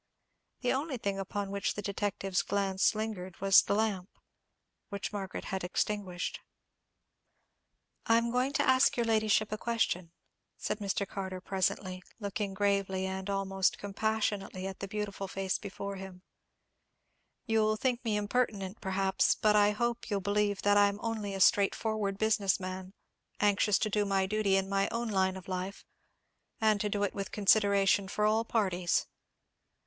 The only thing upon which the detective's glance lingered was the lamp, which Margaret had extinguished. "I'm going to ask your ladyship a question," said Mr. Carter, presently, looking gravely, and almost compassionately, at the beautiful face before him; "you'll think me impertinent, perhaps, but I hope you'll believe that I'm only a straightforward business man, anxious to do my duty in my own line of life, and to do it with consideration for all parties.